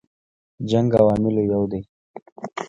جنګ عواملو یو دی.